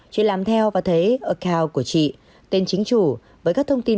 chị làm theo và thấy okow của chị tên chính chủ với các thông tin